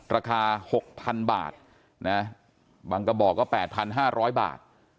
ราคา๖๐๐๐บาทนะบางกระบอกก็๘๕๐๐บาท